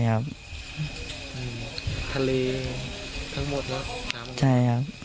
เมืองที่บุญฟังทำด้วยทั้งหมดใช่ครับ